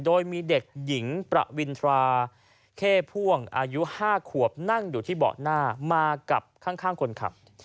โดยมีเด็กหญิงประวินทราเข้พ่วงอายุ๕ขวบนั่งอยู่ที่เบาะหน้ามากับข้างคนขับ